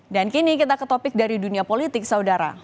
dan kini kita ke topik dari dunia politik saudara